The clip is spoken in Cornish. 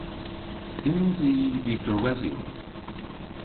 Yns i lytherwesyon?